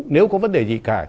nếu có vấn đề gì cả